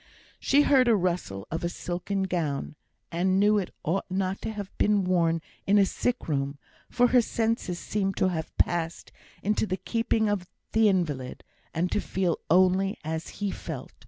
She heard a rustle of a silken gown, and knew it ought not to have been worn in a sick room; for her senses seemed to have passed into the keeping of the invalid, and to feel only as he felt.